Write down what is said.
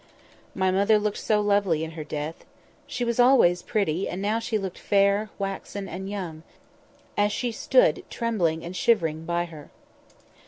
"My mother looked so lovely in her death! She was always pretty, and now she looked fair, and waxen, and young—younger than Deborah, as she stood trembling and shivering by her.